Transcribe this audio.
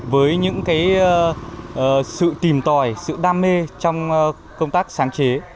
với những sự tìm tòi sự đam mê trong công tác sáng chế